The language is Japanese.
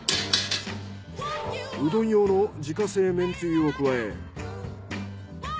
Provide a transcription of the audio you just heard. うどん用の自家製めんつゆを加え。